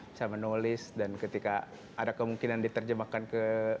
bisa menulis dan ketika ada kemungkinan diterjemahkan ke